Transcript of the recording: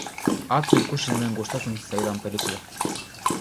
Atzo ikusi nuen gustatzen zitzaidan pelikula.